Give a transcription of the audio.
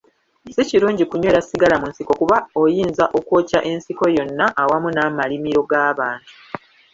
Si kirungi kunyweera sigala mu nsiko kuba ayinza okwokya ensiko yonna awamu n'amalimiro g'abantu.